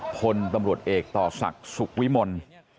คนตำรวจเอกต่อศักดิ์สุกวิมนต์